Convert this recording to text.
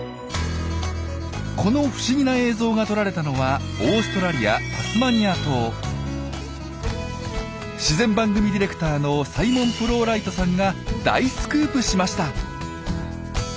この不思議な映像が撮られたのは自然番組ディレクターのサイモン・プロウライトさんが大スクープしました。